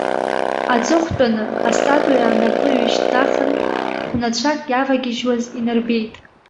Аҵыхәтәаны астатуиа анапы ҩышьҭнахын, хәнацәак иавагьежьуаз инарбеит.